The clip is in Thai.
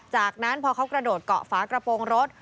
จากนั้นพอเขากระโดดเกาะฝากระโปรงรถ